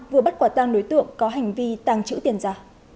vừa bắt quả tăng đối tượng có hành vi tàng trữ tiền giả